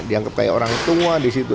dianggap kayak orang tua di situ